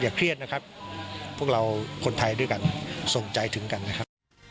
เครียดนะครับพวกเราคนไทยด้วยกันส่งใจถึงกันนะครับ